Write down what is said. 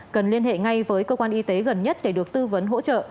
cần liên hệ ngay với cơ quan y tế gần nhất để được tư vấn hỗ trợ